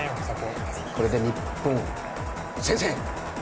これで日本、先制。